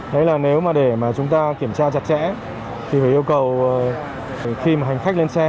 đấy là nếu mà để mà chúng ta kiểm tra chặt chẽ thì phải yêu cầu khi mà hành khách lên xe